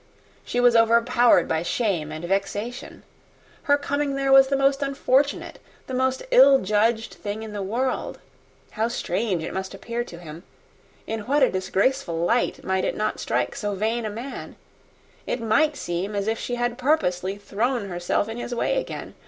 She was overpowered by shame and vexation. Her coming there was the most unfortunate, the most ill judged thing in the world! How strange must it appear to him! In what a disgraceful light might it not strike so vain a man! It might seem as if she had purposely thrown herself in his way again!